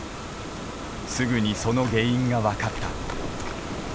すぐにその原因が分かった。